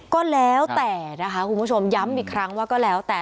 ก็แล้วแต่นะคะคุณผู้ชมย้ำอีกครั้งว่าก็แล้วแต่